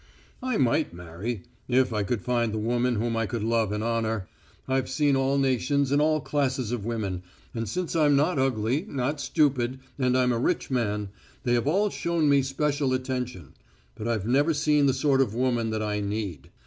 "I might marry if I could find the woman whom I could love and honour. I've seen all nations and all classes of women, and since I'm not ugly, not stupid, and I'm a rich man, they have all shown me special attention, but I've never seen the sort of woman that I need.